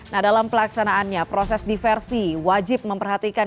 nah dalam pelaksanaannya proses diversi wajib memperhatikan